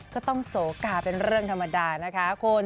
ก็ต้องโสกาเป็นเรื่องธรรมดานะคะคุณ